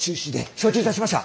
承知いたしました！